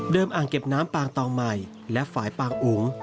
อ่างเก็บน้ำปางตองใหม่และฝ่ายปางอุ๋ง